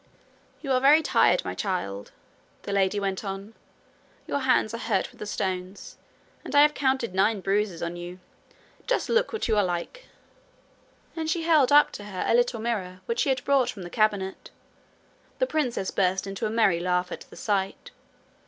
'You are very tired, my child,' the lady went on. 'Your hands are hurt with the stones, and I have counted nine bruises on you. Just look what you are like.' And she held up to her a little mirror which she had brought from the cabinet. The princess burst into a merry laugh at the sight.